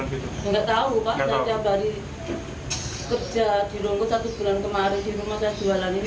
tidak tahu pak saya baru kerja di rungkus satu bulan kemarin di rumah saya jualan ini